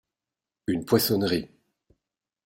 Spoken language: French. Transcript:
Une poissonnerie.